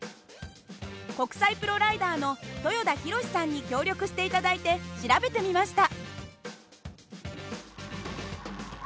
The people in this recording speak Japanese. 国際プロライダーの豊田浩史さんに協力して頂いて調べてみました。